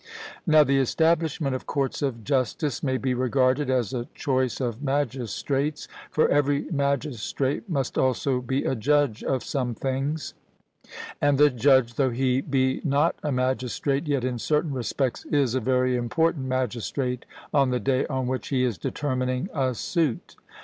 Now the establishment of courts of justice may be regarded as a choice of magistrates, for every magistrate must also be a judge of some things; and the judge, though he be not a magistrate, yet in certain respects is a very important magistrate on the day on which he is determining a suit.